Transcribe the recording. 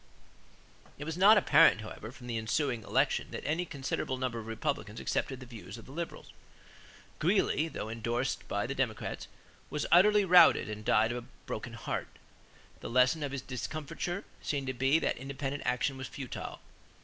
It was not apparent, however, from the ensuing election that any considerable number of Republicans accepted the views of the Liberals. Greeley, though indorsed by the Democrats, was utterly routed and died of a broken heart. The lesson of his discomfiture seemed to be that independent action was futile.